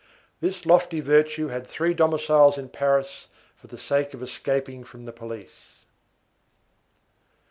This lofty virtue had three domiciles in Paris for the sake of escaping from the police.